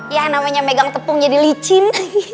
ya namanya megang tepung jadi licin